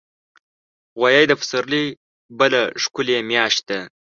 غویی د پسرلي بله ښکلي میاشت ده.